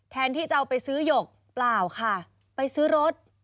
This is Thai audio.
ที่จะเอาไปซื้อหยกเปล่าค่ะไปซื้อรถ